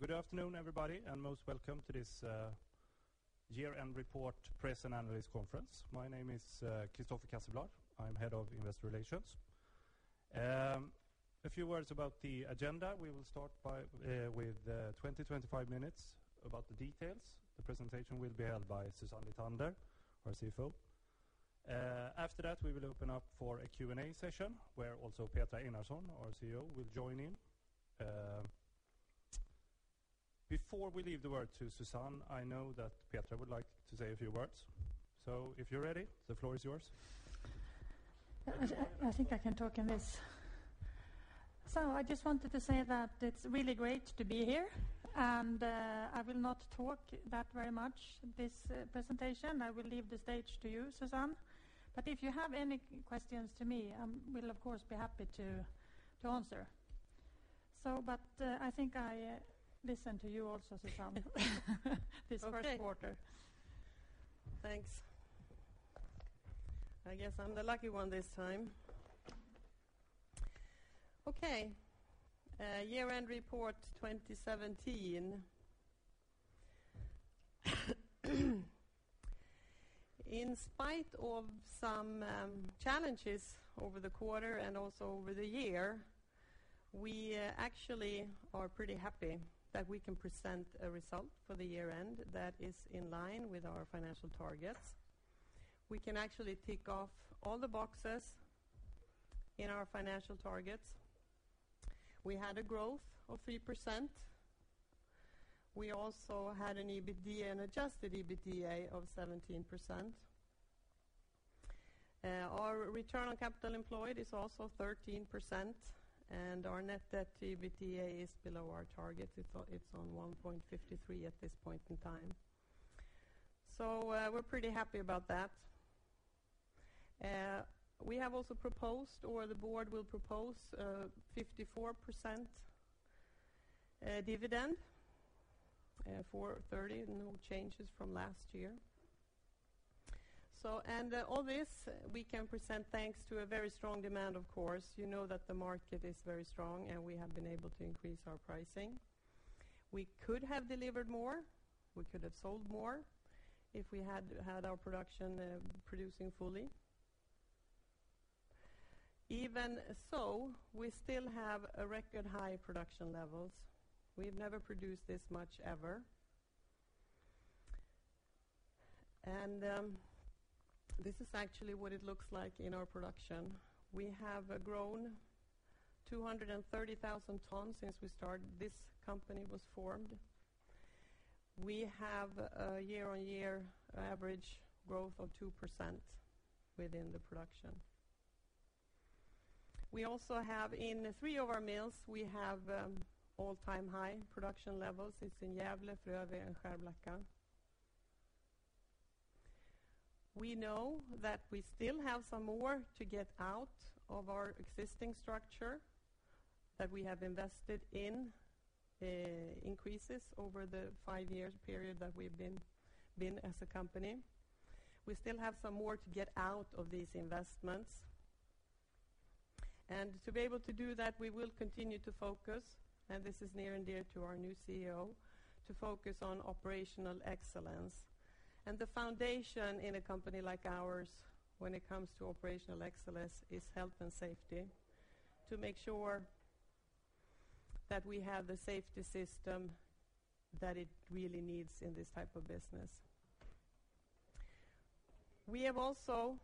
Good afternoon, everybody, and most welcome to this year-end report press and analyst conference. My name is Christopher Casselblad. I'm Head of Investor Relations. A few words about the agenda. We will start with 20, 25 minutes about the details. The presentation will be held by Susanne Lithander, our CFO. After that, we will open up for a Q&A session where also Petra Einarsson, our CEO, will join in. Before we leave the word to Susanne, I know that Petra would like to say a few words. If you're ready, the floor is yours. I think I can talk in this. I just wanted to say that it's really great to be here, I will not talk that very much this presentation. I will leave the stage to you, Susanne. If you have any questions to me, I will, of course, be happy to answer. I think I listen to you also, Susanne- this first quarter. Thanks. I guess I'm the lucky one this time. Okay. Year-end report 2017. In spite of some challenges over the quarter and also over the year, we actually are pretty happy that we can present a result for the year-end that is in line with our financial targets. We can actually tick off all the boxes in our financial targets. We had a growth of 3%. We also had an EBITDA and adjusted EBITDA of 17%. Our return on capital employed is also 13%, and our net debt to EBITDA is below our target. It's on 1.53 at this point in time. We're pretty happy about that. We have also proposed, or the board will propose, a 54% dividend, 4.30, no changes from last year. All this we can present thanks to a very strong demand, of course. You know that the market is very strong, we have been able to increase our pricing. We could have delivered more, we could have sold more if we had our production producing fully. Even so, we still have a record high production levels. We've never produced this much ever. This is actually what it looks like in our production. We have grown 230,000 tons since this company was formed. We have a year-on-year average growth of 2% within the production. We also have, in three of our mills, we have all-time high production levels. It's in Gävle, Frövi, and Skärblacka. We know that we still have some more to get out of our existing structure that we have invested in increases over the five-year period that we've been as a company. We still have some more to get out of these investments. To be able to do that, we will continue to focus, and this is near and dear to our new CEO, to focus on operational excellence. The foundation in a company like ours when it comes to operational excellence is health and safety, to make sure that we have the safety system that it really needs in this type of business. We have also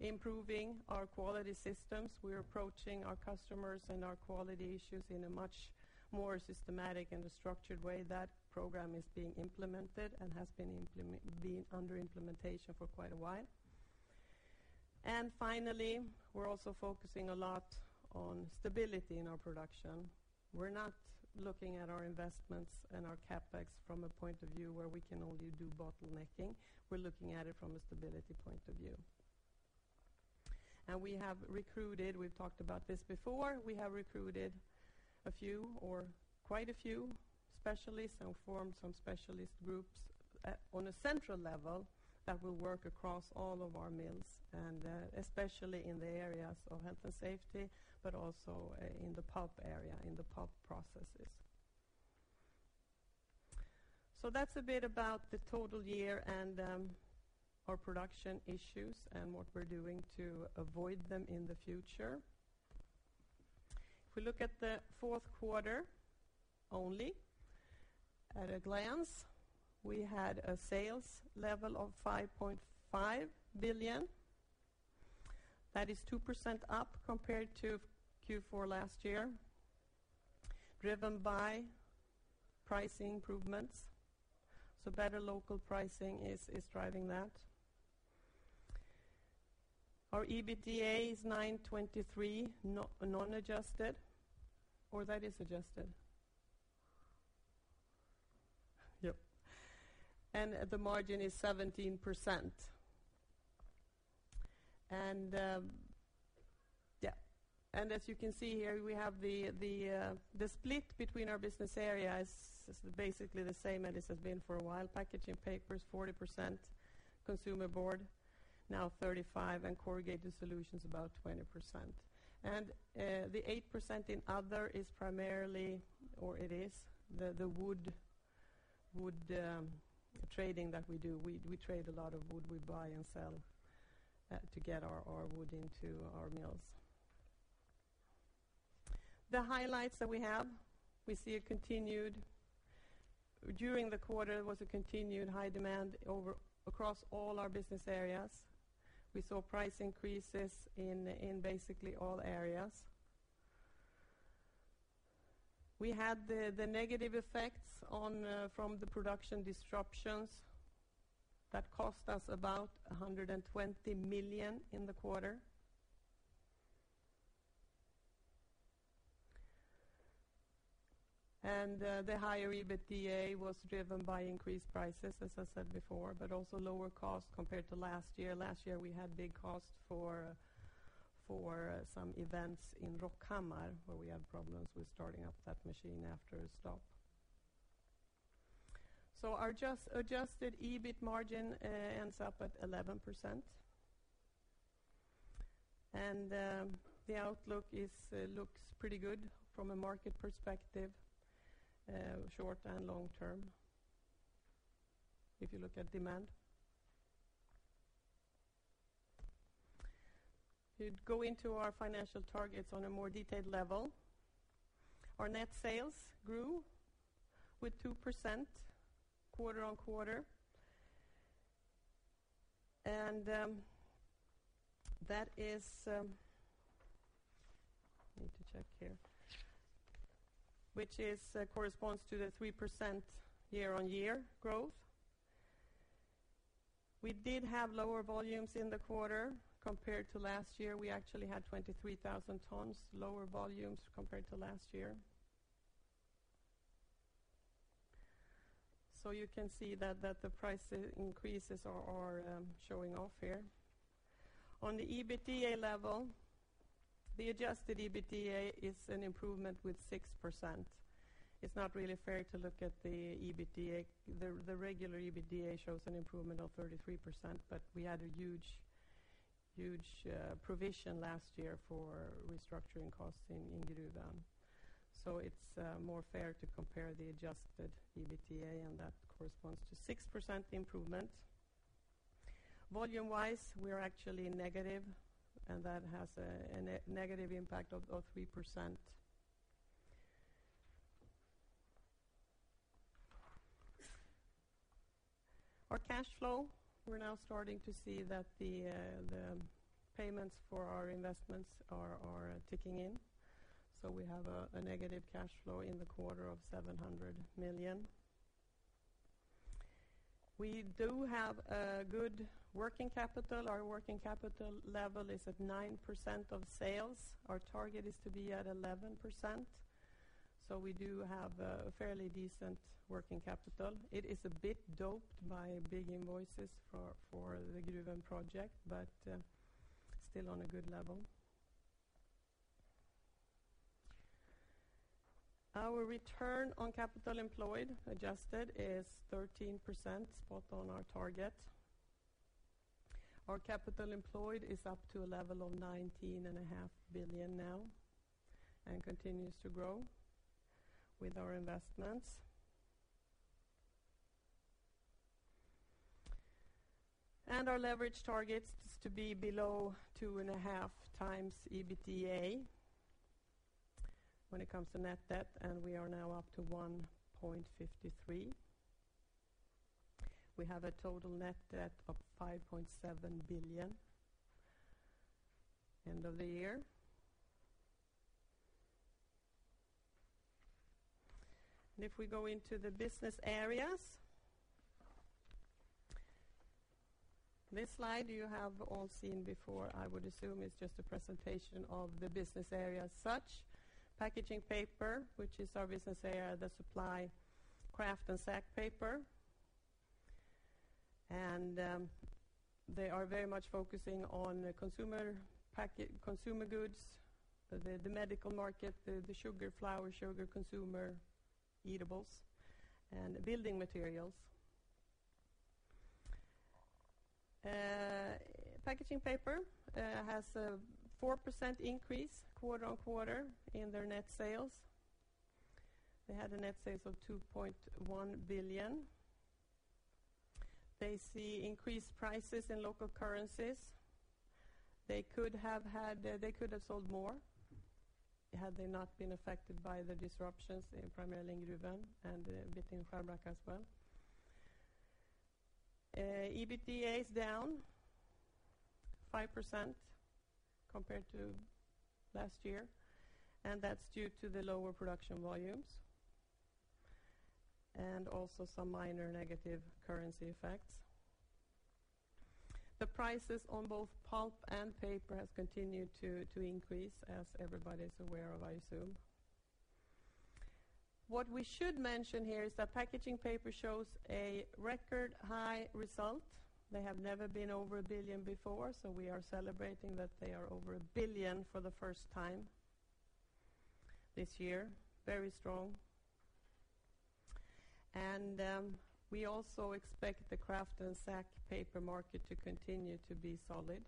improving our quality systems. We're approaching our customers and our quality issues in a much more systematic and a structured way. That program is being implemented and has been under implementation for quite a while. Finally, we're also focusing a lot on stability in our production. We're not looking at our investments and our CapEx from a point of view where we can only do bottlenecking. We're looking at it from a stability point of view. We have recruited, we've talked about this before, we have recruited a few or quite a few specialists and formed some specialist groups on a central level that will work across all of our mills, and especially in the areas of health and safety, but also in the pulp area, in the pulp processes. That's a bit about the total year and our production issues and what we're doing to avoid them in the future. If we look at the fourth quarter only, at a glance, we had a sales level of 5.5 billion. That is 2% up compared to Q4 last year, driven by pricing improvements. Better local pricing is driving that. Our EBITDA is 923 non-adjusted. Or that is adjusted? Yep. The margin is 17%. As you can see here, we have the split between our business areas is basically the same as it has been for a while. Packaging Paper, 40%, Consumer Board Now 35% and Corrugated Solutions about 20%. The 8% in other is primarily, or it is, the wood trading that we do. We trade a lot of wood. We buy and sell to get our wood into our mills. The highlights that we have, we see during the quarter was a continued high demand over across all our business areas. We saw price increases in basically all areas. We had the negative effects from the production disruptions that cost us about 120 million in the quarter. The higher EBITDA was driven by increased prices, as I said before, but also lower cost compared to last year. Last year, we had big cost for some events in Rockhammar, where we had problems with starting up that machine after a stop. Our adjusted EBIT margin ends up at 11%. The outlook looks pretty good from a market perspective, short and long term, if you look at demand. We'd go into our financial targets on a more detailed level. Our net sales grew with 2% quarter-on-quarter. Let me check here. Which corresponds to the 3% year-on-year growth. We did have lower volumes in the quarter compared to last year. We actually had 23,000 tons lower volumes compared to last year. You can see that the price increases are showing off here. On the EBITDA level, the adjusted EBITDA is an improvement with 6%. It's not really fair to look at the EBITDA. The regular EBITDA shows an improvement of 33%. We had a huge provision last year for restructuring costs in Gruvön. It's more fair to compare the adjusted EBITDA, and that corresponds to 6% improvement. Volume-wise, we are actually negative, and that has a negative impact of 3%. Our cash flow, we're now starting to see that the payments for our investments are ticking in. We have a negative cash flow in the quarter of 700 million. We do have a good working capital. Our working capital level is at 9% of sales. Our target is to be at 11%. We do have a fairly decent working capital. It is a bit doped by big invoices for the Gruvön project, but still on a good level. Our return on capital employed, adjusted, is 13%, spot on our target. Our capital employed is up to a level of 19.5 billion now and continues to grow with our investments. Our leverage target is to be below 2.5x EBITDA when it comes to net debt, and we are now up to 1.53. We have a total net debt of 5.7 billion end of the year. If we go into the business areas, this slide you have all seen before, I would assume. It's just a presentation of the business areas such. Packaging Paper, which is our business area that supply kraft and sack paper. They are very much focusing on consumer goods, the medical market, the sugar, flour, sugar, consumer eatables, and building materials. Packaging Paper has a 4% increase quarter-on-quarter in their net sales. They had a net sales of 2.1 billion. They see increased prices in local currencies. They could have sold more had they not been affected by the disruptions primarily in Gruvön and a bit in Skärblacka as well. EBITDA is down 5% compared to last year. That's due to the lower production volumes and also some minor negative currency effects. The prices on both pulp and paper has continued to increase, as everybody's aware of, I assume. What we should mention here is that Packaging Paper shows a record high result. They have never been over 1 billion before, so we are celebrating that they are over 1 billion for the first time this year. Very strong. We also expect the kraft and sack paper market to continue to be solid,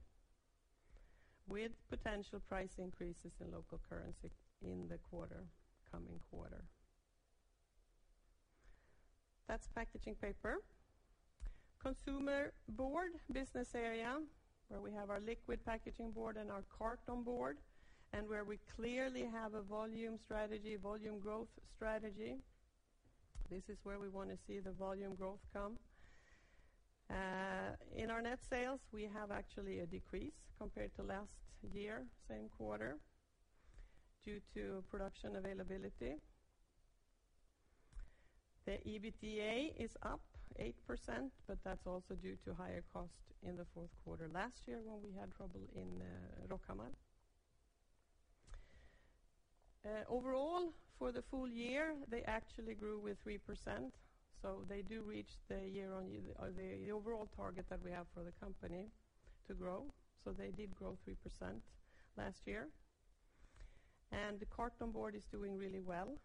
with potential price increases in local currency in the coming quarter. That's Packaging Paper. Consumer Board business area, where we have our liquid packaging board and our carton board, where we clearly have a volume growth strategy. This is where we want to see the volume growth come. In our net sales, we have actually a decrease compared to last year, same quarter, due to production availability. The EBITDA is up 8%. That's also due to higher cost in the fourth quarter last year when we had trouble in Rockhammar. Overall, for the full year, they actually grew with 3%. They do reach the overall target that we have for the company to grow. They did grow 3% last year. The carton board is doing really well.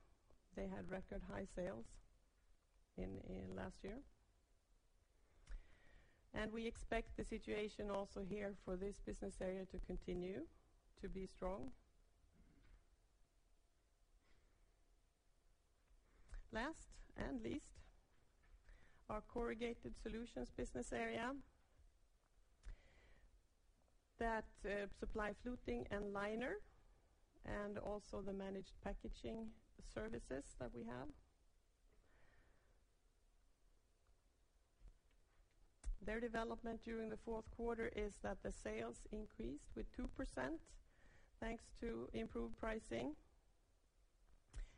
They had record high sales in last year. We expect the situation also here for this business area to continue to be strong. Last and least, our Corrugated Solutions business area, that supply fluting and liner, and also the Managed Packaging services that we have. Their development during the fourth quarter is that the sales increased with 2% thanks to improved pricing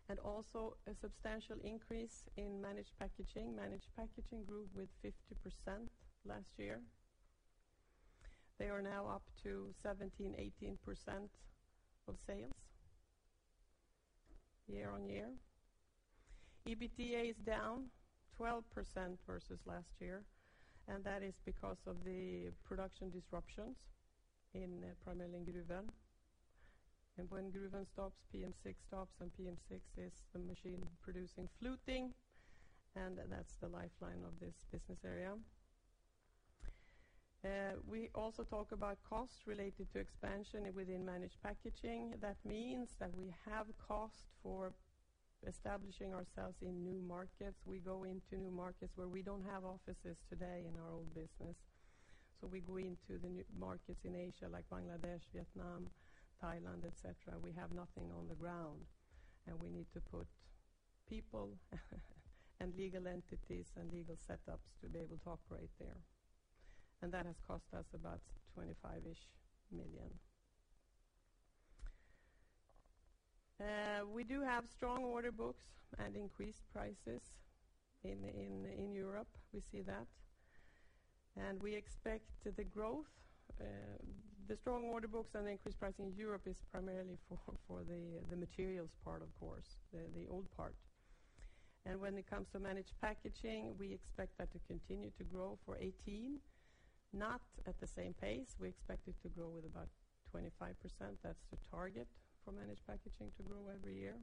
and also a substantial increase in Managed Packaging. Managed Packaging grew with 50% last year. They are now up to 17%, 18% of sales year-on-year. EBITDA is down 12% versus last year, and that is because of the production disruptions primarily in Gruvön. When Gruvön stops, PM6 stops, and PM6 is the machine producing fluting, and that's the lifeline of this business area. We also talk about cost related to expansion within Managed Packaging. That means that we have cost for establishing ourselves in new markets. We go into new markets where we don't have offices today in our own business. We go into the new markets in Asia, like Bangladesh, Vietnam, Thailand, et cetera. We have nothing on the ground, and we need to put people and legal entities and legal setups to be able to operate there. That has cost us about 25-ish million. We do have strong order books and increased prices in Europe. We see that. We expect the growth. The strong order books and increased pricing in Europe is primarily for the materials part, of course, the old part. When it comes to Managed Packaging, we expect that to continue to grow for 2018, not at the same pace. We expect it to grow with about 25%. That's the target for Managed Packaging to grow every year.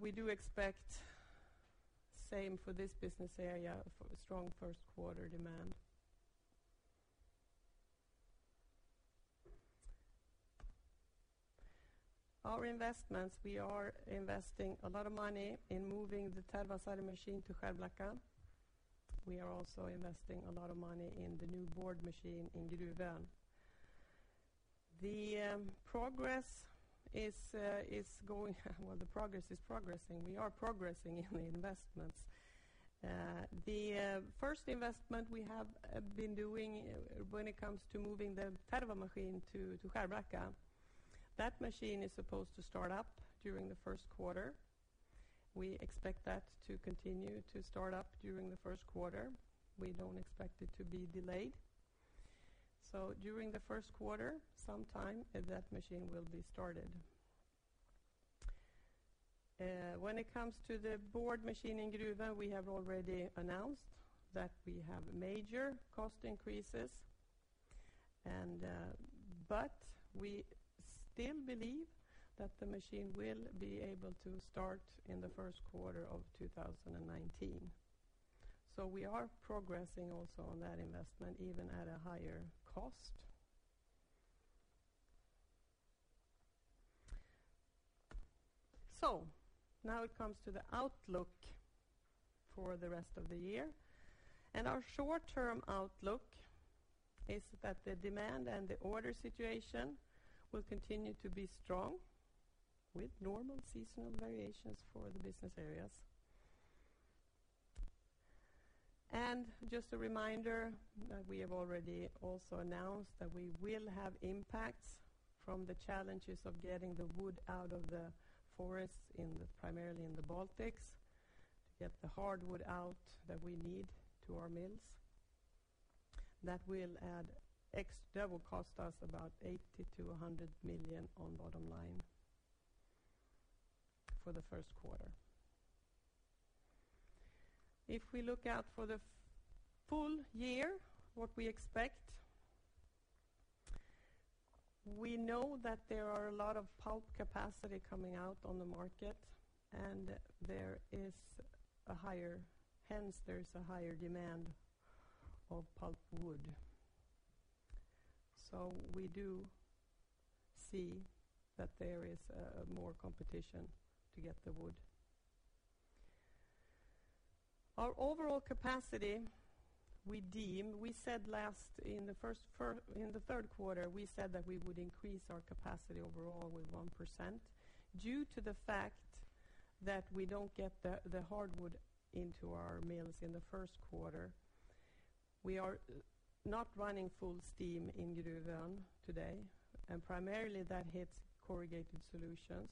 We do expect same for this business area for the strong first quarter demand. Our investments, we are investing a lot of money in moving the Terva machine to Skärblacka. We are also investing a lot of money in the new board machine in Gruvön. Well, the progress is progressing. We are progressing in the investments. The first investment we have been doing when it comes to moving the Terva machine to Skärblacka, that machine is supposed to start up during the first quarter. We expect that to continue to start up during the first quarter. We don't expect it to be delayed. During the first quarter, sometime, that machine will be started. When it comes to the board machine in Gruvön, we have already announced that we have major cost increases. We still believe that the machine will be able to start in the first quarter of 2019. We are progressing also on that investment, even at a higher cost. Now it comes to the outlook for the rest of the year. Our short-term outlook is that the demand and the order situation will continue to be strong with normal seasonal variations for the business areas. Just a reminder that we have already also announced that we will have impacts from the challenges of getting the wood out of the forests primarily in the Baltics, to get the hardwood out that we need to our mills. That will cost us about 80 million-100 million on bottom line for the first quarter. If we look out for the full year, what we expect. We know that there are a lot of pulp capacity coming out on the market, and hence there is a higher demand of pulpwood. We do see that there is more competition to get the wood. Our overall capacity, we said in the third quarter, we said that we would increase our capacity overall with 1%. Due to the fact that we don't get the hardwood into our mills in the first quarter, we are not running full steam in Gruvön today, and primarily that hits Corrugated Solutions.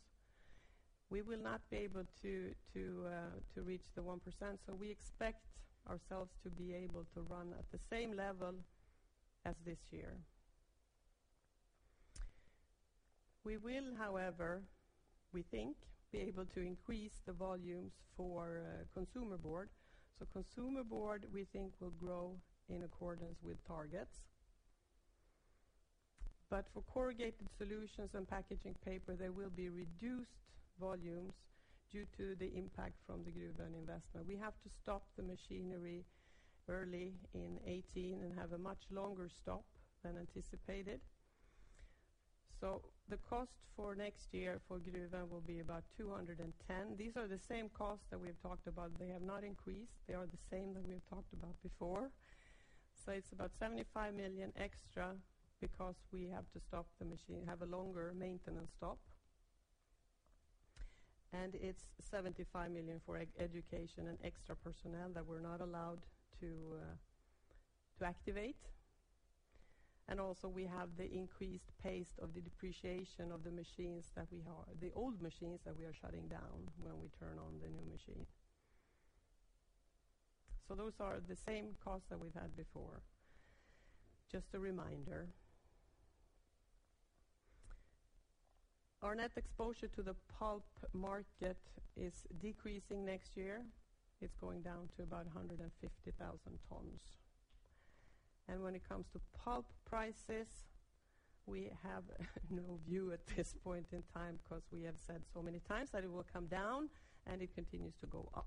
We will not be able to reach the 1%, we expect ourselves to be able to run at the same level as this year. We will, however, we think, be able to increase the volumes for Consumer Board. Consumer Board, we think, will grow in accordance with targets. But for Corrugated Solutions and Packaging Paper, there will be reduced volumes due to the impact from the Gruvön investment. We have to stop the machinery early in 2018 and have a much longer stop than anticipated. The cost for next year for Gruvön will be about 210. These are the same costs that we have talked about. They have not increased. They are the same that we have talked about before. It's about 75 million extra because we have to have a longer maintenance stop. It's 75 million for education and extra personnel that we're not allowed to activate. Also we have the increased pace of the depreciation of the old machines that we are shutting down when we turn on the new machine. Those are the same costs that we've had before. Just a reminder. Our net exposure to the pulp market is decreasing next year. It's going down to about 150,000 tons. When it comes to pulp prices, we have no view at this point in time because we have said so many times that it will come down, it continues to go up.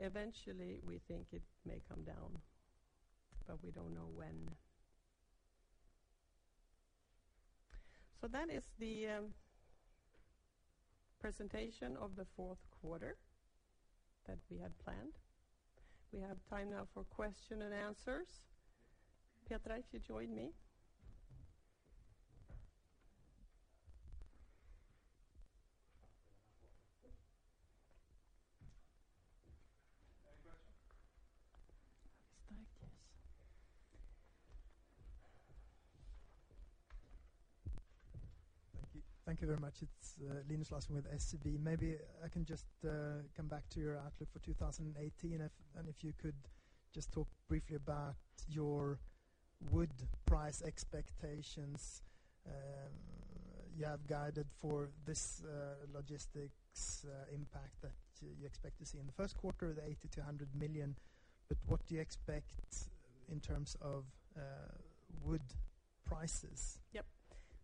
Eventually we think it may come down, but we don't know when. That is the presentation of the fourth quarter that we had planned. We have time now for question and answers. Petra, if you join me. Any question? Start, yes. Thank you. Thank you very much. It's Linus Larsson with SEB. Maybe I can just come back to your outlook for 2018, and if you could just talk briefly about your wood price expectations. You have guided for this logistics impact that you expect to see in the first quarter, the 80 million-100 million. What do you expect in terms of wood prices? Yep.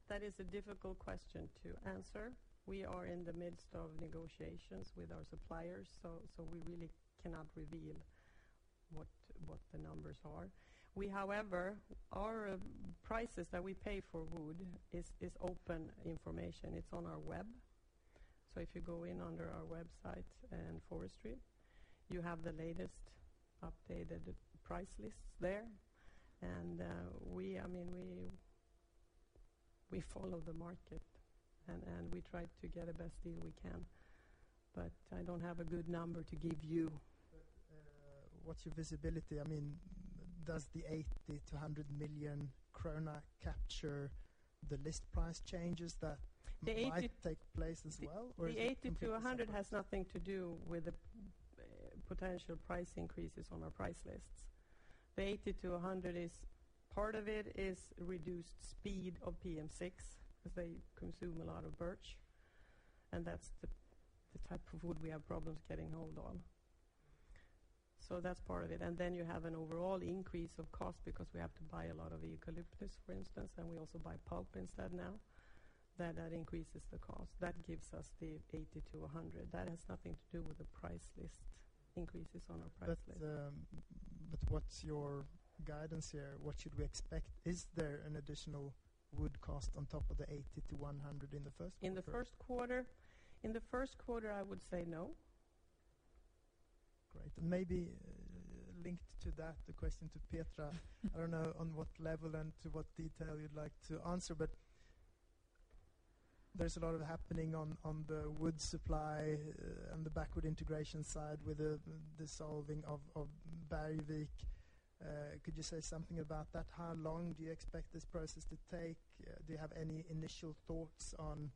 That is a difficult question to answer. We are in the midst of negotiations with our suppliers, we really cannot reveal what the numbers are. However, our prices that we pay for wood is open information. It's on our web. If you go in under our website and forestry, you have the latest updated price lists there. We follow the market, and we try to get the best deal we can. I don't have a good number to give you. What's your visibility? Does the 80 million-100 million krona capture the list price changes that might take place as well? Or is it completely separate? The 80-100 has nothing to do with the potential price increases on our price lists. The 80-100, part of it is reduced speed of PM6, because they consume a lot of birch, and that's the type of wood we have problems getting hold of. That's part of it. Then you have an overall increase of cost because we have to buy a lot of eucalyptus, for instance, and we also buy pulp instead now. That increases the cost. That gives us the 80-100. That has nothing to do with the price list increases on our price list. What's your guidance here? What should we expect? Is there an additional wood cost on top of the 80-100 in the first quarter? In the first quarter, I would say no. Great. Maybe linked to that, the question to Petra, I don't know on what level and to what detail you'd like to answer, but there's a lot happening on the wood supply, on the backward integration side with the solving of Bergvik. Could you say something about that? How long do you expect this process to take? Do you have any initial thoughts on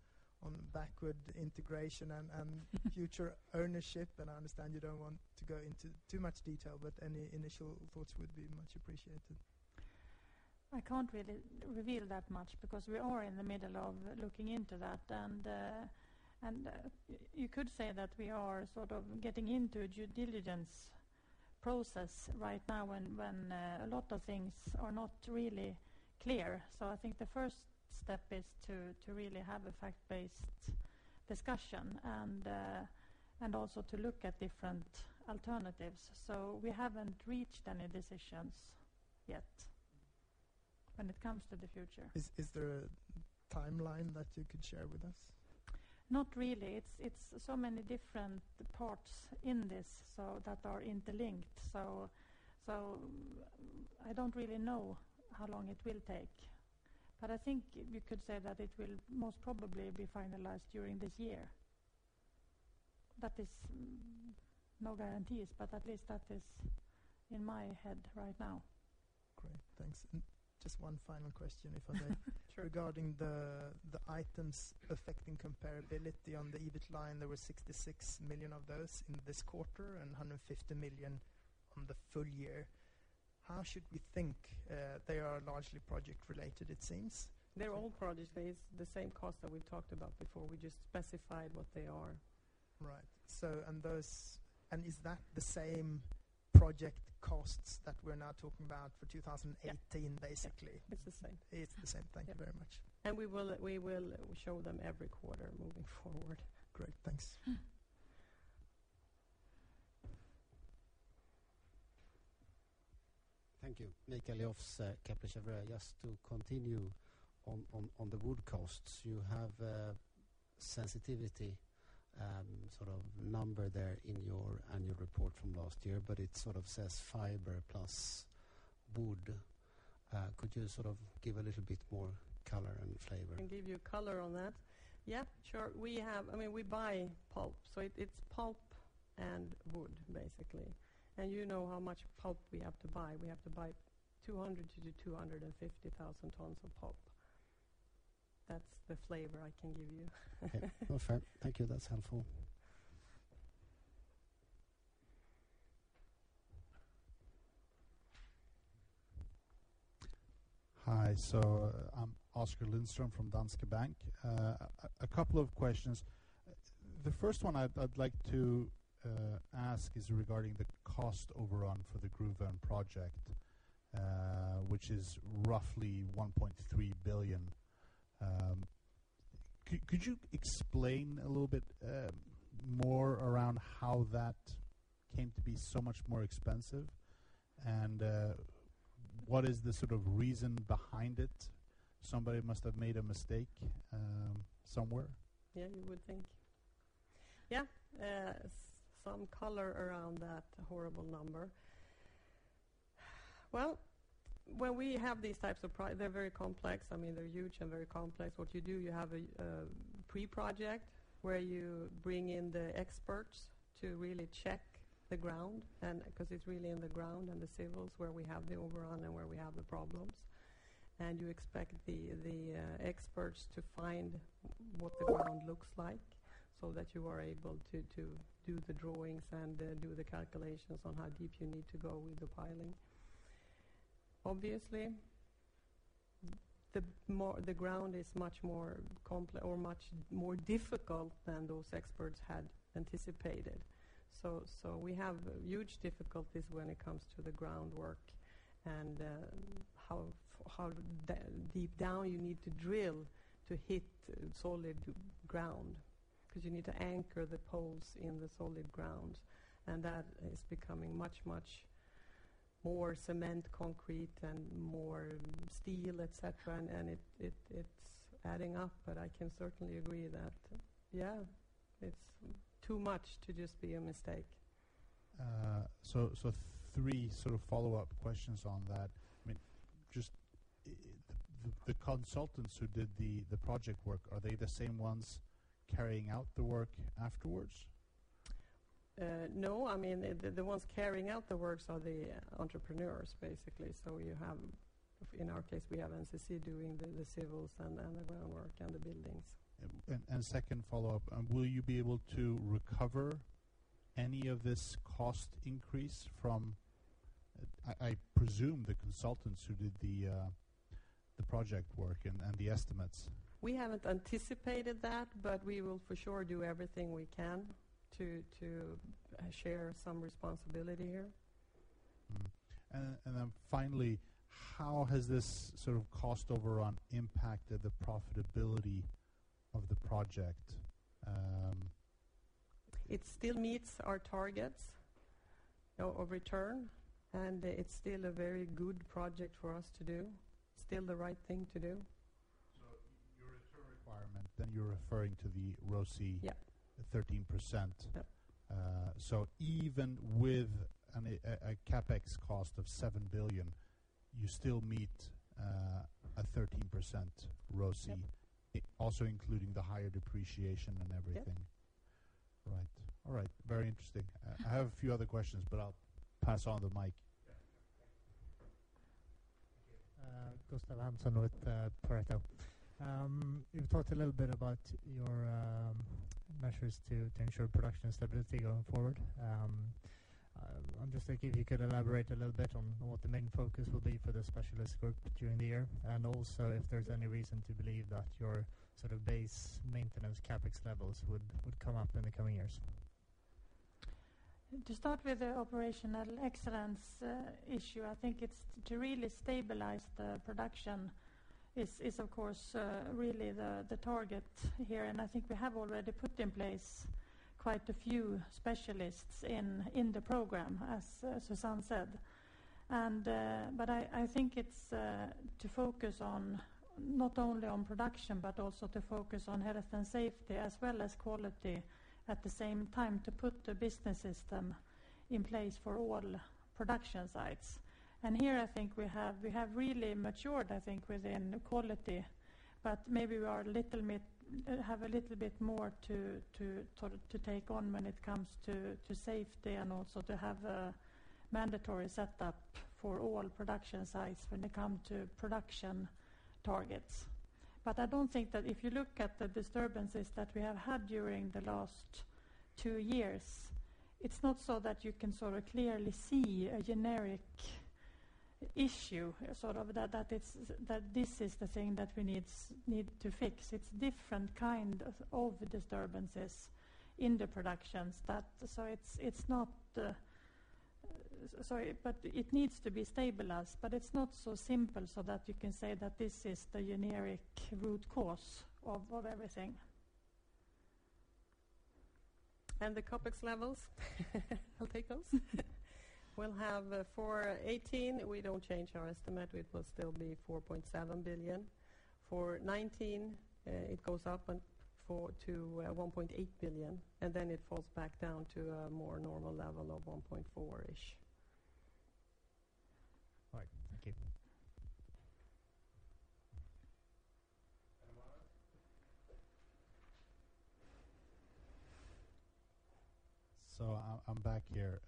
backward integration and future ownership? I understand you don't want to go into too much detail, but any initial thoughts would be much appreciated. I can't really reveal that much because we are in the middle of looking into that. You could say that we are sort of getting into due diligence process right now when a lot of things are not really clear. I think the first step is to really have a fact-based discussion, and also to look at different alternatives. We haven't reached any decisions yet when it comes to the future. Is there a timeline that you could share with us? Not really. It's so many different parts in this that are interlinked, I don't really know how long it will take. I think we could say that it will most probably be finalized during this year. That is no guarantees, but at least that is in my head right now. Great. Thanks. Just one final question, if I may. Regarding the items affecting comparability on the EBIT line, there were 66 million of those in this quarter and 150 million on the full year. How should we think? They are largely project-related it seems. They're all project-based, the same cost that we've talked about before. We just specified what they are. Right. Is that the same project costs that we're now talking about for 2018 basically? Yeah. It's the same. It's the same. Thank you very much. We will show them every quarter moving forward. Great, thanks. Thank you. Mikael Joffs, Kepler Cheuvreux. Just to continue on the wood costs, you have a sensitivity sort of number there in your annual report from last year, but it sort of says fiber plus wood. Could you give a little bit more color and flavor? I can give you color on that. Yeah, sure. We buy pulp. It's pulp and wood basically. You know how much pulp we have to buy. We have to buy 200,000-250,000 tons of pulp. That's the flavor I can give you. Okay. No, fair. Thank you. That's helpful. Hi. I'm Oskar Lindström from Danske Bank. A couple of questions. The first one I'd like to ask is regarding the cost overrun for the Gruvön project, which is roughly 1.3 billion. Could you explain a little bit more around how that came to be so much more expensive, and what is the sort of reason behind it? Somebody must have made a mistake somewhere. Yeah, you would think. Yeah. Some color around that horrible number. Well, when we have these types of projects, they're very complex. They're huge and very complex. What you do, you have a pre-project where you bring in the experts to really check the ground, because it's really in the ground and the civils where we have the overrun and where we have the problems. You expect the experts to find what the ground looks like, so that you are able to do the drawings and do the calculations on how deep you need to go with the piling. Obviously, the ground is much more complex or much more difficult than those experts had anticipated. We have huge difficulties when it comes to the groundwork and how deep down you need to drill to hit solid ground because you need to anchor the poles in the solid ground. That is becoming much more cement, concrete, and more steel, et cetera, and it's adding up. I can certainly agree that, yeah, it's too much to just be a mistake. Three sort of follow-up questions on that. The consultants who did the project work, are they the same ones carrying out the work afterwards? No. The ones carrying out the works are the entrepreneurs, basically. In our case, we have NCC doing the civils and the groundwork and the buildings. Second follow-up, will you be able to recover any of this cost increase from, I presume, the consultants who did the project work and the estimates? We haven't anticipated that, we will for sure do everything we can to share some responsibility here. Finally, how has this sort of cost overrun impacted the profitability of the project? It still meets our targets of return, and it's still a very good project for us to do, still the right thing to do. Your return requirement, you're referring to the ROCE? Yeah 13%. Yeah. Even with a CapEx cost of 7 billion, you still meet a 13% ROCE. Yeah. Including the higher depreciation and everything. Yeah. Right. All right. Very interesting. I have a few other questions, but I'll pass on the mic. Yeah. Thank you. Gustav Hanson with Pareto. You've talked a little bit about your measures to ensure production stability going forward. I'm just thinking if you could elaborate a little bit on what the main focus will be for the specialist group during the year, and also if there's any reason to believe that your sort of base maintenance CapEx levels would come up in the coming years? To start with the operational excellence issue, I think to really stabilize the production is, of course, really the target here, and I think we have already put in place quite a few specialists in the program, as Susanne said. I think it's to focus not only on production, but also to focus on health and safety as well as quality at the same time to put the business system in place for all production sites. Here, I think we have really matured within quality, but maybe we have a little bit more to take on when they come to safety and also to have a mandatory setup for all production sites when they come to production targets. I don't think that if you look at the disturbances that we have had during the last two years, it's not so that you can sort of clearly see a generic issue, sort of that this is the thing that we need to fix. It's different kind of disturbances in the productions. It needs to be stabilized, but it's not so simple so that you can say that this is the generic root cause of everything. The CapEx levels, I'll take those. We'll have for 2018, we don't change our estimate. It will still be 4.7 billion. For 2019, it goes up to 1.8 billion, then it falls back down to a more normal level of 1.4 billion-ish. All right. Thank you. Anyone else? I'm back here.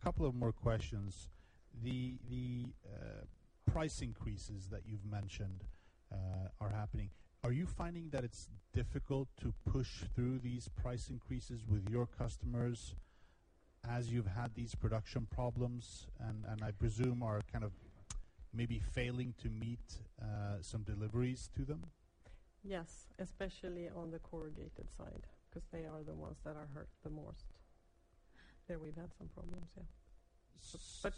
A couple of more questions. The price increases that you've mentioned are happening. Are you finding that it's difficult to push through these price increases with your customers as you've had these production problems, and I presume are kind of maybe failing to meet some deliveries to them? Yes, especially on the corrugated side, because they are the ones that are hurt the most. There we've had some problems.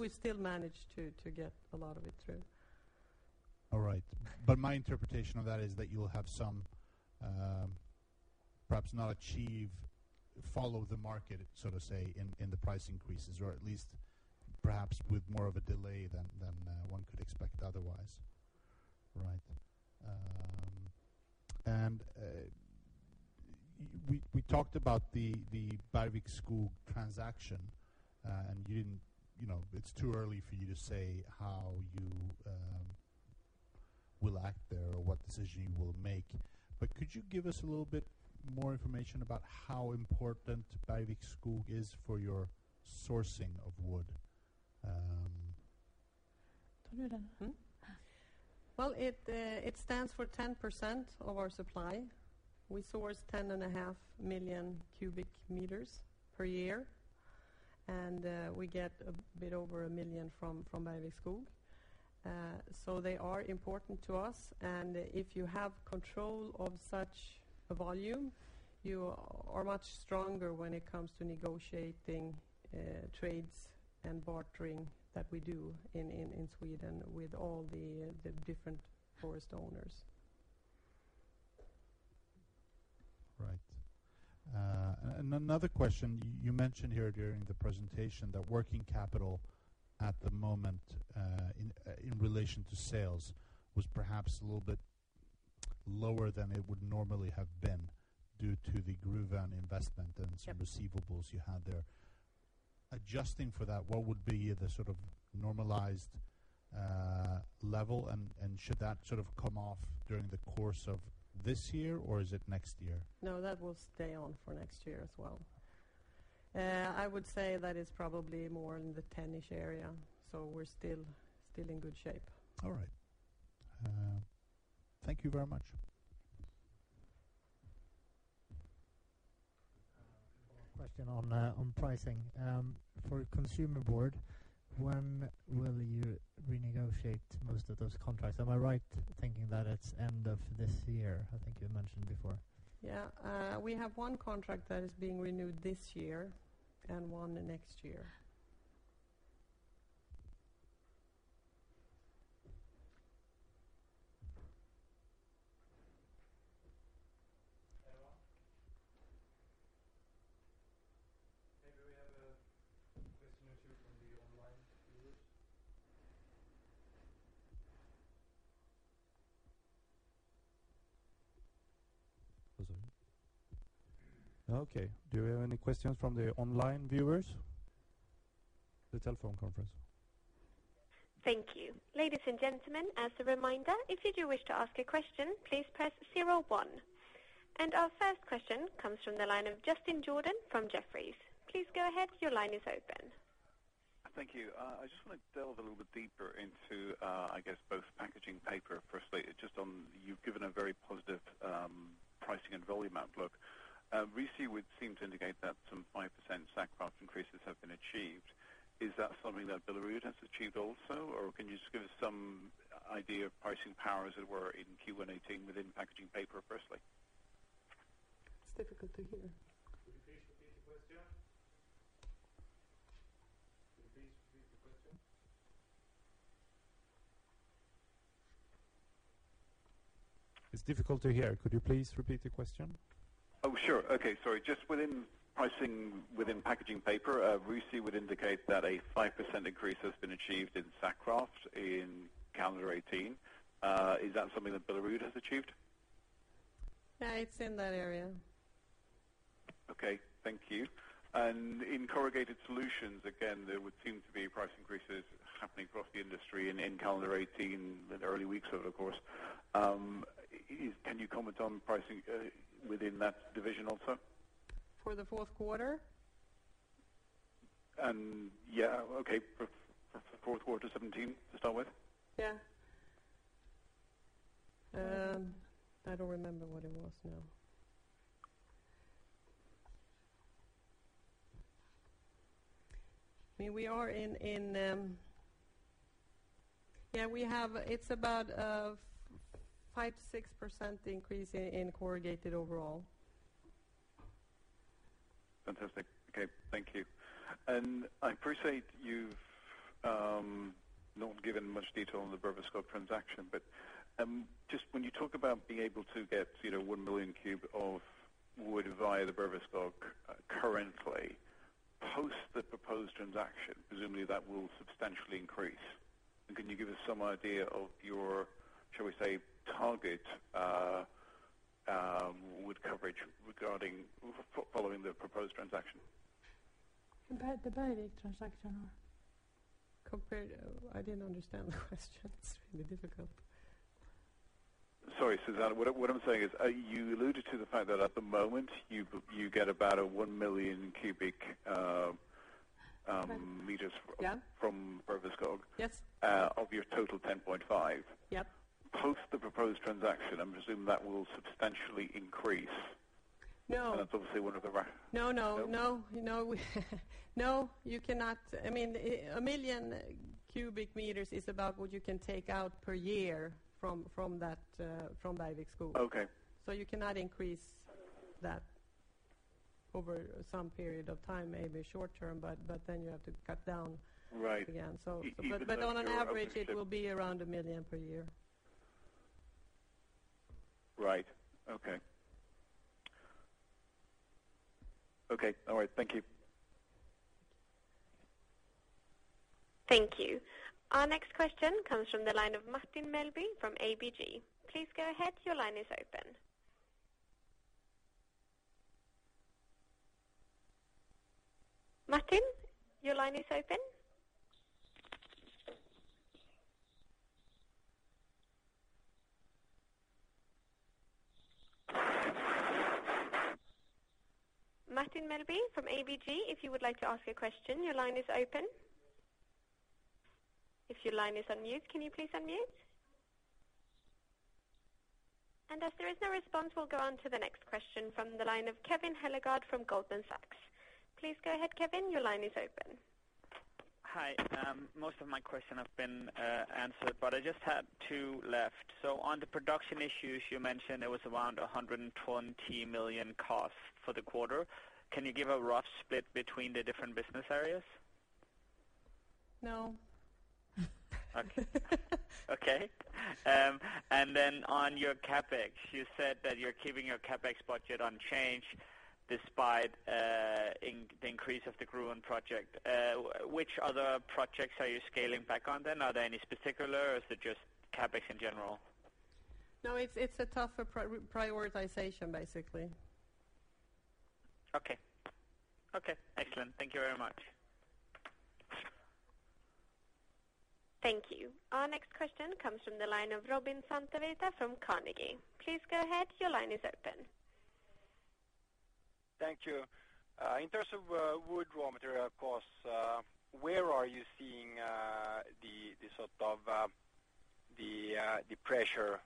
We've still managed to get a lot of it through. All right. My interpretation of that is that you'll have some, perhaps not achieve, follow the market, so to say, in the price increases, or at least perhaps with more of a delay than one could expect otherwise. Right. We talked about the Bergvik Skog transaction. It's too early for you to say how you will act there or what decision you will make. Could you give us a little bit more information about how important Bergvik Skog is for your sourcing of wood? Well, it stands for 10% of our supply. We source 10.5 million cubic meters per year, and we get a bit over 1 million from Bergvik Skog. They are important to us, and if you have control of such a volume, you are much stronger when it comes to negotiating trades and bartering that we do in Sweden with all the different forest owners. Right. Another question, you mentioned here during the presentation that working capital at the moment in relation to sales was perhaps a little bit lower than it would normally have been due to the Gruvön investment and some receivables you had there. Adjusting for that, what would be the sort of normalized level, and should that sort of come off during the course of this year, or is it next year? No, that will stay on for next year as well. I would say that is probably more in the 10-ish area, we're still in good shape. All right. Thank you very much. Question on pricing. For Consumer Board, when will you renegotiate most of those contracts? Am I right thinking that it's end of this year? I think you mentioned before. Yeah. We have one contract that is being renewed this year and one next year. Anyone? Maybe we have a question or two from the online viewers. Okay. Do you have any questions from the online viewers? The telephone conference. Thank you. Ladies and gentlemen, as a reminder, if you do wish to ask a question, please press 01. Our first question comes from the line of Justin Jordan from Jefferies. Please go ahead, your line is open. Thank you. I just want to delve a little bit deeper into, I guess both Packaging Paper, firstly, you've given a very positive pricing and volume outlook. We see what seemed to indicate that some 5% sack kraft increases have been achieved. Is that something that Billerud has achieved also? Can you just give us some idea of pricing power, as it were, in Q1 2018 within Packaging Paper, firstly? It's difficult to hear. Could you please repeat the question? It's difficult to hear. Could you please repeat the question? Oh, sure. Okay. Sorry. Just within pricing, within Packaging Paper, RISI would indicate that a 5% increase has been achieved in Sappi in calendar 2018. Is that something that Billerud has achieved? Yeah, it's in that area. Okay, thank you. In Corrugated Solutions, again, there would seem to be price increases happening across the industry in calendar 2018, the early weeks of it, of course. Can you comment on pricing within that division also? For the fourth quarter? Okay. Fourth quarter 2017 to start with. I don't remember what it was now. It is about a 5%-6% increase in corrugated overall. Fantastic. Okay, thank you. I appreciate you have not given much detail on the Bergvik Skog transaction, but just when you talk about being able to get 1 million cubic of wood via the Bergvik Skog currently, post the proposed transaction, presumably that will substantially increase. Can you give us some idea of your, shall we say, target wood coverage following the proposed transaction? Compared the Bergvik Skog transaction or? I didn't understand the question. It's really difficult. Sorry, Susanne. What I'm saying is, you alluded to the fact that at the moment you get about 1,000,000 cubic meters- Yeah from Bergvik Skog. Yes. Of your total 10.5. Yep. Post the proposed transaction, I'm presuming that will substantially increase. No. That's obviously one of the. No, no. No. No, you cannot. 1 million cubic meters is about what you can take out per year from Bergvik Skog. Okay. You cannot increase that over some period of time, maybe short term, but then you have to cut down. Right again. On an average, it will be around 1 million per year. Right. Okay. Okay. All right. Thank you. Thank you. Our next question comes from the line of Martin Melbye from ABG. Please go ahead, your line is open. Martin? Your line is open. Martin Melbye from ABG, if you would like to ask a question, your line is open. If your line is on mute, can you please unmute? As there is no response, we will go on to the next question from the line of Kevin Hellegard Nielsen from Goldman Sachs. Please go ahead, Kevin. Your line is open. Hi. Most of my question have been answered, but I just had two left. On the production issues you mentioned, it was around 120 million cost for the quarter. Can you give a rough split between the different business areas? No. Okay. On your CapEx, you said that you are keeping your CapEx budget unchanged despite the increase of the Gruvön project. Which other projects are you scaling back on? Are there any particular or is it just CapEx in general? No, it's a tougher prioritization, basically. Okay. Okay, excellent. Thank you very much. Thank you. Our next question comes from the line of Robin Santavirta from Carnegie. Please go ahead. Your line is open. Thank you. In terms of wood raw material costs, where are you seeing the pressure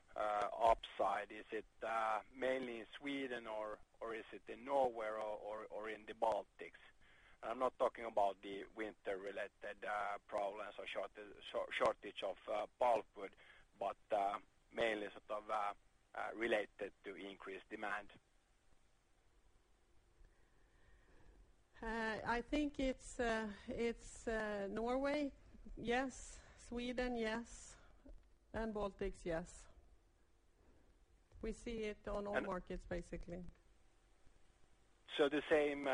upside? Is it mainly in Sweden, or is it in Norway, or in the Baltics? I'm not talking about the winter-related problems or shortage of pulpwood, but mainly related to increased demand. I think it's Norway, yes. Sweden, yes. Baltics, yes. We see it on all markets, basically. The same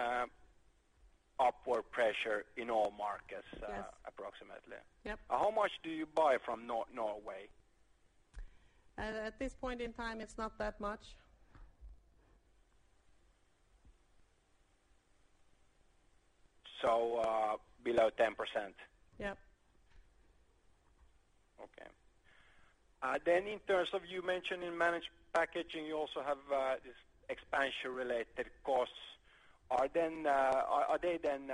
upward pressure in all markets? Yes approximately. Yep. How much do you buy from Norway? At this point in time, it's not that much. below 10%? Yep. Okay. In terms of, you mentioned in Managed Packaging, you also have this expansion related costs. Are they then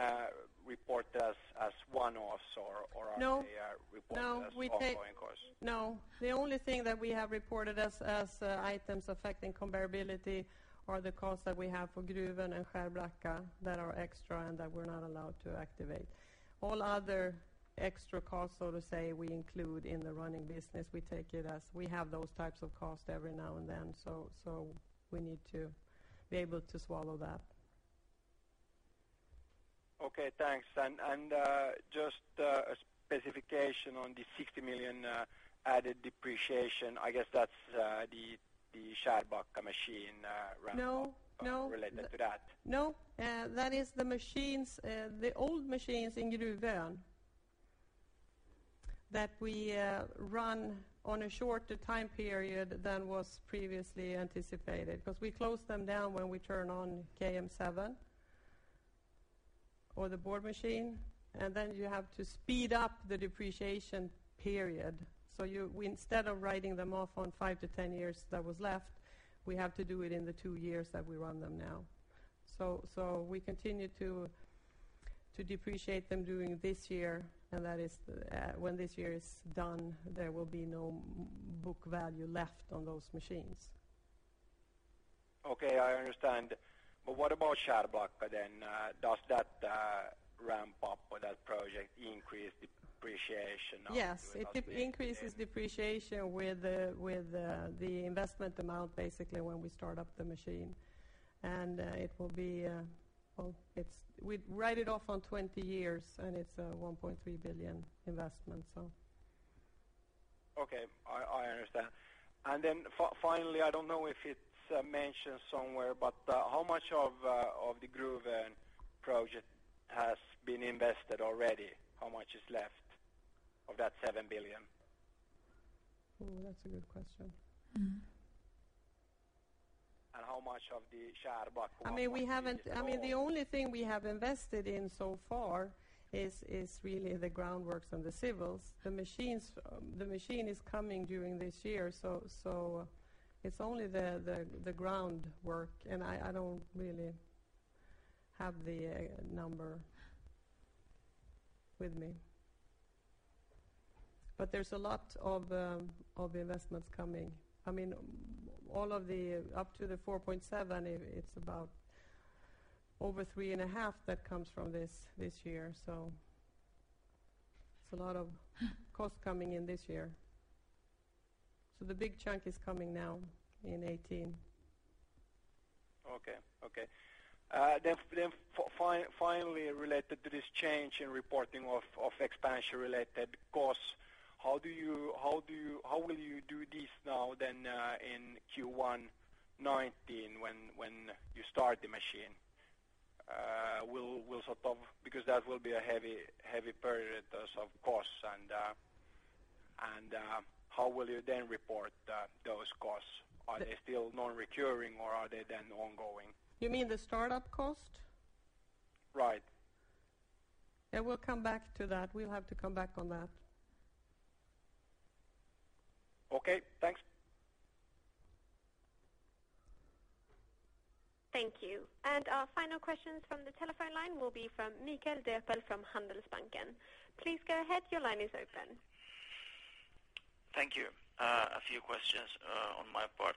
reported as one-offs or are they No reported as ongoing costs? No. The only thing that we have reported as items affecting comparability are the costs that we have for Gruvön and Skärblacka that are extra and that we're not allowed to activate. All other extra costs, so to say, we include in the running business. We take it as we have those types of costs every now and then, so we need to be able to swallow that. Okay, thanks. Just a specification on the 60 million added depreciation. I guess that's the Skärblacka machine- No ramp up related to that. No. That is the old machines in Gruvön that we run on a shorter time period than was previously anticipated, because we close them down when we turn on KM7 or the board machine, then you have to speed up the depreciation period. Instead of writing them off on five to 10 years that was left, we have to do it in the two years that we run them now. We continue to depreciate them during this year, and when this year is done, there will be no book value left on those machines. Okay, I understand. What about Skärblacka then? Does that ramp up or that project increase depreciation of Yes. It increases depreciation with the investment amount, basically when we start up the machine. We write it off on 20 years, and it's a 1.3 billion investment. Okay, I understand. Finally, I don't know if it's mentioned somewhere, but how much of the Gruvön project has been invested already? How much is left of that 7 billion? That's a good question. How much of the Skärblacka The only thing we have invested in so far is really the groundworks and the civils. The machine is coming during this year, so it's only the groundwork, and I don't really have the number with me. There's a lot of investments coming. Up to the 4.7, it's about over three and a half that comes from this year. It's a lot of cost coming in this year. The big chunk is coming now in 2018. Okay. Finally, related to this change in reporting of expansion-related costs, how will you do this now then in Q1 2019 when you start the machine? That will be a heavy period of costs, and how will you then report those costs? Are they still non-recurring, or are they then ongoing? You mean the startup cost? Right. Yeah, we'll come back to that. We'll have to come back on that. Okay, thanks. Thank you. Our final questions from the telephone line will be from Mikael Dhärpel from Handelsbanken. Please go ahead. Your line is open. Thank you. A few questions on my part,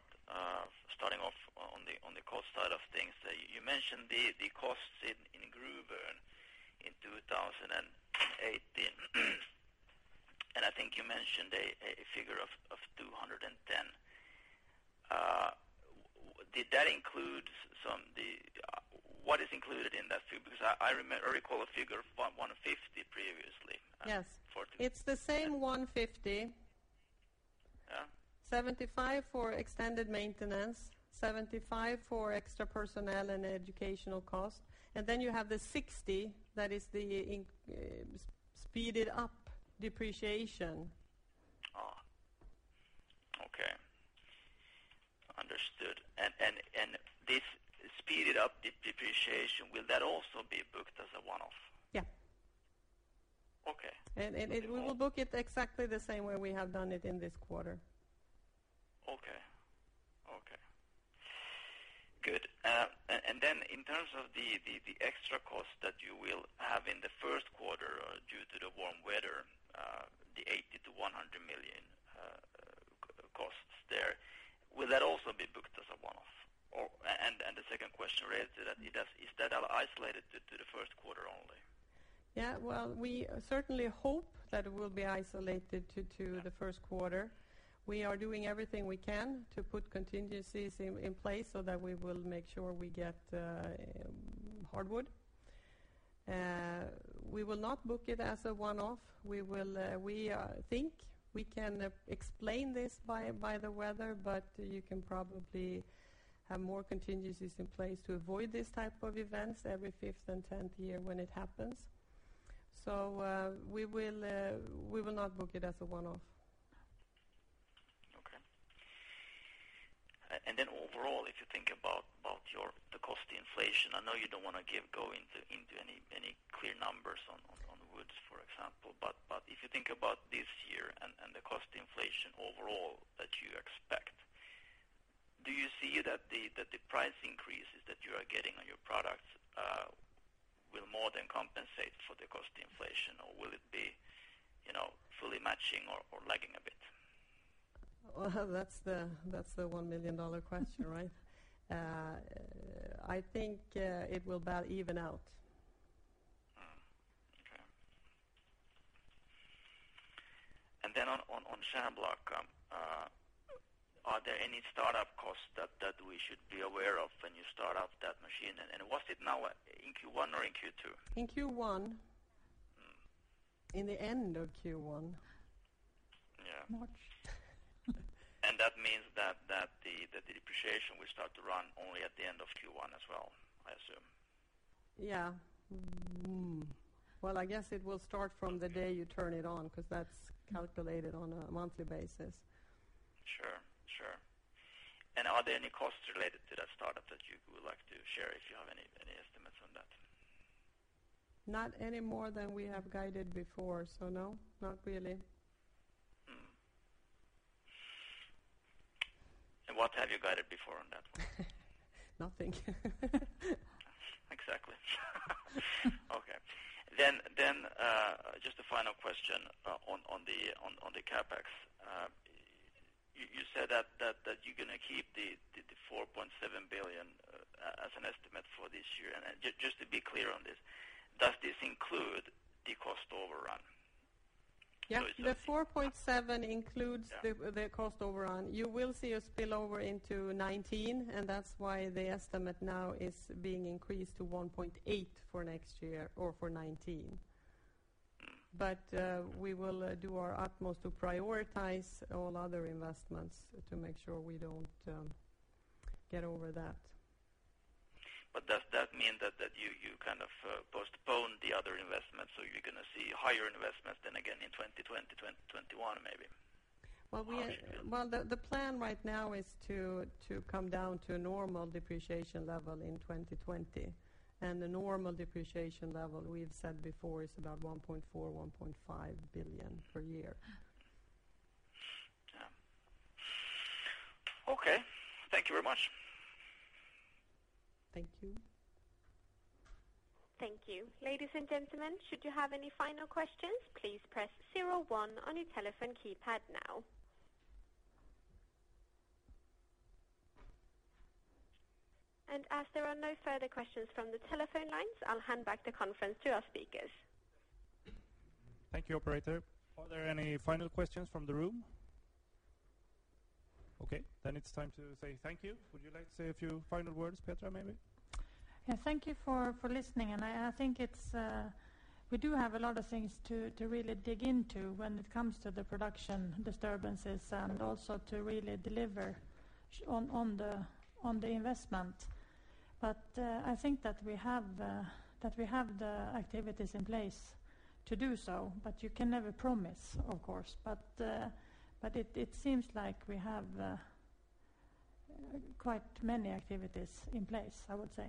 starting off on the cost side of things. You mentioned the costs in Gruvön in 2018. I think you mentioned a figure of 210. What is included in that figure? Because I recall a figure of 150 previously. Yes. For- It's the same 150. Yeah. 75 for extended maintenance, 75 for extra personnel and educational cost, and then you have the 60 that is the speeded up depreciation. Okay. Understood. This speeded up depreciation, will that also be booked as a one-off? Yeah. Okay. We will book it exactly the same way we have done it in this quarter. Okay. Good. In terms of the extra cost that you will have in the first quarter due to the warm weather, the 80 million-100 million costs there, will that also be booked as a one-off? The second question related to that, is that isolated to the first quarter only? Yeah. We certainly hope that it will be isolated to the first quarter. We are doing everything we can to put contingencies in place so that we will make sure we get hardwood. We will not book it as a one-off. We think we can explain this by the weather, but you can probably have more contingencies in place to avoid these type of events every fifth and 10th year when it happens. We will not book it as a one-off. Okay. Overall, if you think about the cost inflation, I know you don't want to go. If you think about this year and the cost inflation overall that you expect, do you see that the price increases that you are getting on your products will more than compensate for the cost inflation? Will it be fully matching or lagging a bit? That's the $1 million question, right? I think it will about even out. Okay. On Skärblacka, are there any startup costs that we should be aware of when you start up that machine? Was it now in Q1 or in Q2? In Q1. In the end of Q1. Yeah. March. That means that the depreciation will start to run only at the end of Q1 as well, I assume. Yeah. Well, I guess it will start from the day you turn it on, because that's calculated on a monthly basis. Sure. Are there any costs related to that startup that you would like to share if you have any estimates on that? Not any more than we have guided before. No, not really. What have you guided before on that one? Nothing. Exactly. Okay. Just a final question on the CapEx. You said that you're going to keep the 4.7 billion as an estimate for this year. Just to be clear on this, does this include the cost overrun? Yeah. The 4.7 includes the cost overrun. You will see a spillover into 2019, that's why the estimate now is being increased to 1.8 for next year or for 2019. We will do our utmost to prioritize all other investments to make sure we don't get over that. Does that mean that you kind of postpone the other investments, you're going to see higher investments than again in 2020, 2021, maybe? Well, the plan right now is to come down to a normal depreciation level in 2020. The normal depreciation level we have said before is about 1.4 billion, 1.5 billion per year. Yeah. Okay. Thank you very much. Thank you. Thank you. Ladies and gentlemen, should you have any final questions, please press 01 on your telephone keypad now. As there are no further questions from the telephone lines, I will hand back the conference to our speakers. Thank you, operator. Are there any final questions from the room? Okay, it is time to say thank you. Would you like to say a few final words, Petra, maybe? Yeah. Thank you for listening. I think we do have a lot of things to really dig into when it comes to the production disturbances and also to really deliver on the investment. I think that we have the activities in place to do so, but you can never promise, of course. It seems like we have quite many activities in place, I would say.